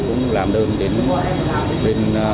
cũng làm đơn đến